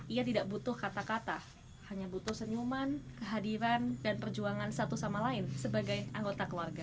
ia tidak butuh kata kata hanya butuh senyuman kehadiran dan perjuangan satu sama lain sebagai anggota keluarga